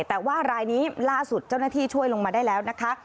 แต่ว่ารายนี้ล่าสุดเจ้าหน้าที่ช่วยลงมาได้แล้วนะคะ